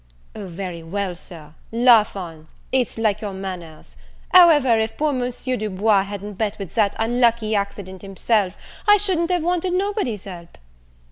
"O very well, Sir, laugh on, it's like your manners; however, if poor Monsieur Du Bois hadn't met with that unlucky accident himself I shouldn't have wanted nobody's help."